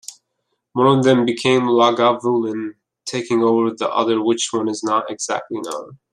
One of them became Lagavulin, taking over the other-which one is not exactly known.